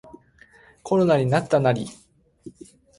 コロナになったナリ